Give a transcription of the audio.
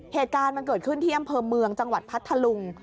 เหตุการณ์มันเกิดขึ้นที่อำเภอเมืองจังหวัดพัทธลุง